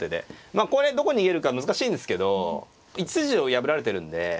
まあこれどこに逃げるか難しいんですけど１筋を破られてるんで。